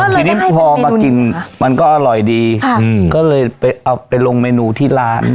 ทีนี้พอมากินมันก็อร่อยดีก็เลยไปเอาไปลงเมนูที่ร้าน